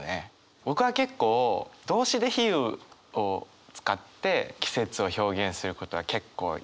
僕は結構動詞で比喩を使って季節を表現することはやるんですよ。